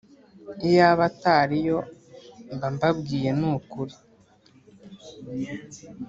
Iyaba atariyo mbambabwiye nukuri